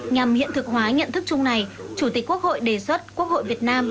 nhằm hiện thực hóa nhận thức chung này chủ tịch quốc hội đề xuất quốc hội việt nam